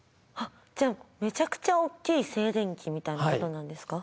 じゃあめちゃくちゃ大きい静電気みたいなことなんですか？